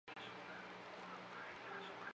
太清观主祀太上老君。